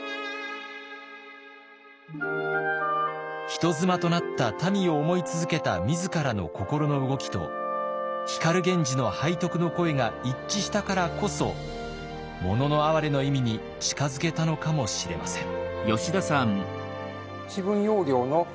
人妻となったたみを思い続けた自らの心の動きと光源氏の背徳の恋が一致したからこそ「もののあはれ」の意味に近づけたのかもしれません。